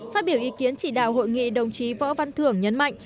phát biểu ý kiến chỉ đạo hội nghị đồng chí võ văn thưởng nhấn mạnh